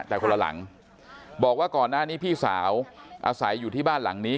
แต่คนละหลังบอกว่าก่อนหน้านี้พี่สาวอาศัยอยู่ที่บ้านหลังนี้